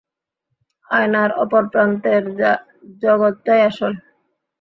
আয়নার অপর প্রান্তের জগতটাই আসল!